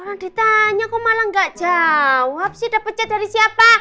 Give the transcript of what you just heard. orang ditanya kok malah gak jawab sih dapetnya dari siapa